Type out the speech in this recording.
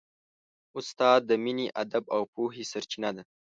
استاد د مینې، ادب او پوهې سرچینه ده.